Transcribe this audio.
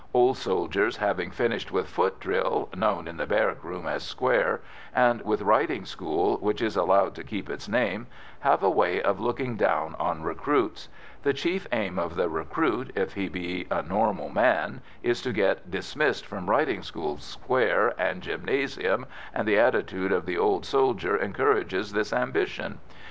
Old soldiers, having finished with foot drill (known in the barrack room as "square") and with riding school (which is allowed to keep its name), have a way of looking down on recruits; the chief aim of the recruit, if he be a normal man, is to get "dismissed" from riding school, square, and gymnasium, and the attitude of the old soldier encourages this ambition.